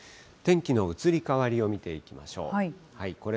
天気の移り変わりを見ていきましょう。